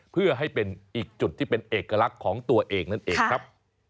เพื่อให้เป็นอีกจุดที่เป็นเอกลักษณ์ของตัวเองนั่นเองครับ